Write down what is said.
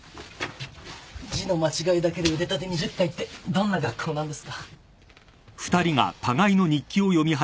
字の間違いだけで腕立て２０回ってどんな学校なんですか。